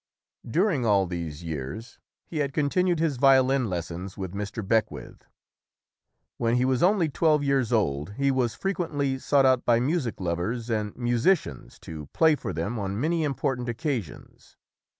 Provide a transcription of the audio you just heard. During all these years, he had continued his violin lessons with Mr. Beckwith. When he was only twelve years old he was frequently sought out by music lovers and musicians to play for them on many important occasions.